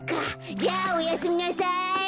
じゃあおやすみなさい。